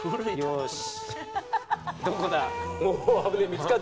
「よし」。